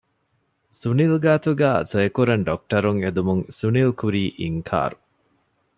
ސުނިލް ގާތުގައި ސޮއިކުރަން ޑޮކުޓަރުން އެދުމުން ސުނިލް ކުރީ އިންކާރު